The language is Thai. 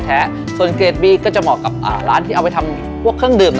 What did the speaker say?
ส่วนเกรดบีก็จะเหมาะกับร้านที่เอาไปทำพวกเครื่องดื่ม